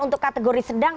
untuk kategori sedang